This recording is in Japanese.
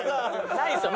ないんですよ